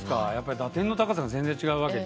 打点の高さが、全然違うわけで。